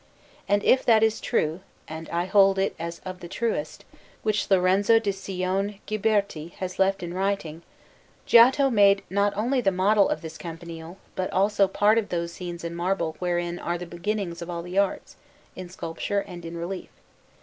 And if that is true, and I hold it as of the truest, which Lorenzo di Cione Ghiberti has left in writing, Giotto made not only the model of this campanile, but also part of those scenes in marble wherein are the beginnings of all the arts, in sculpture and in relief.